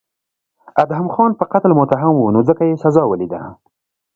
ادهم خان په قتل متهم و نو ځکه یې سزا ولیده.